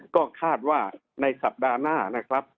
ก็คาดว่าในสัปดาห์หน้านะครับ